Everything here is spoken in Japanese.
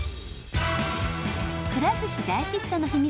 くら寿司大ヒットの秘密。